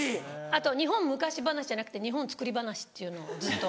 あと日本昔話じゃなくて日本作り話っていうのをずっと。